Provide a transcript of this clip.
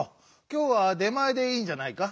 きょうは出まえでいいんじゃないか？